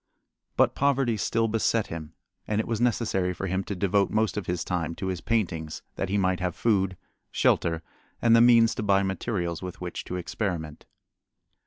But poverty still beset him and it was necessary for him to devote most of his time to his paintings, that he might have food, shelter, and the means to buy materials with which to experiment.